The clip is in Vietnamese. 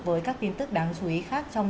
với các tin tức đáng chú ý khác trong